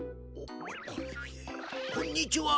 こんにちは